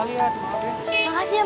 gak pernah liat